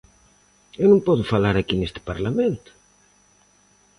¿Eu non podo falar aquí neste Parlamento?